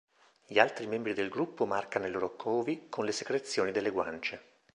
Gli altri membri del gruppo marcano i loro covi con le secrezioni delle guance.